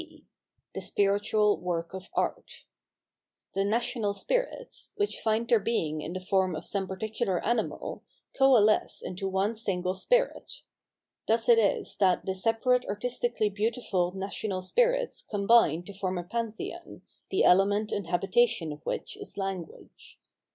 — Y c The Spiritual Work oe Art The national spirits, which find their being in the form of some particular animal, coalesce into one single spirit.* Thus it is that the separate artistically beau tiful national spirits combine to form a Pantheon, the element and habitation of which is Language.